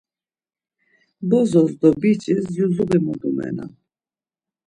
Bozos do biç̌is yuzuği modumenan.